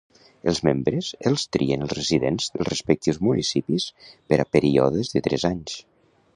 Els membres els trien els residents dels respectius municipis per a períodes de tres anys.